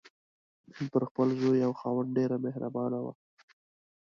نن پر خپل زوی او خاوند ډېره مهربانه وه.